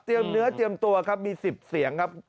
เนื้อเตรียมตัวครับมี๑๐เสียงครับ